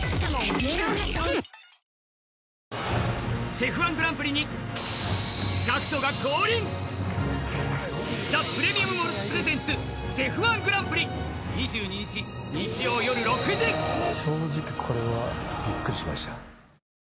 ＣＨＥＦ−１グランプリにＧＡＣＫＴが降臨ザ・プレミアム・モルツｐｒｅｓ２２日日曜よる６時正直これはびっくりしました